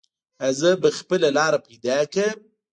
ایا زه به خپله لاره پیدا کړم؟